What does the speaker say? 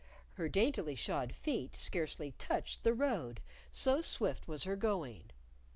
Her daintily shod feet scarcely touched the road, so swift was her going.